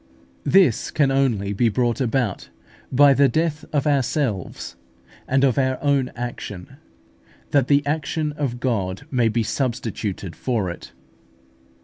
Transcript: This can only be brought about by the death of ourselves and of our own action, that the action of God may be substituted for it.